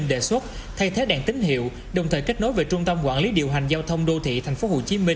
đề xuất thay thế đèn tín hiệu đồng thời kết nối với trung tâm quản lý điều hành giao thông đô thị tp hcm